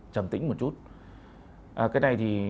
trầm tĩnh một chút cái này thì